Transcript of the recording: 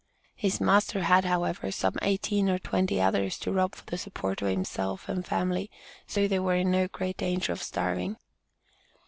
His master had, however, some eighteen or twenty others to rob for the support of himself and family, so they were in no great danger of starving.